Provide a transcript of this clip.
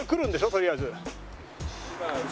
とりあえず。